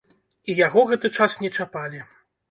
І яго гэты час не чапалі.